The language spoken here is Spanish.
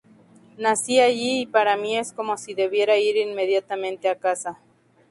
Nací allí y para mí es como si debiera ir inmediatamente a casa.